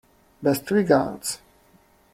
Best regards.